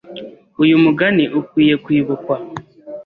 Uyu mugani ukwiye kwibuka.